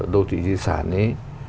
đô thị di sản ấy